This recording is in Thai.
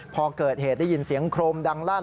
พอเกิดเหตุได้ยินเสียงโครมดังลั่น